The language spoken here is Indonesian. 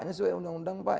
ini sesuai undang undang pak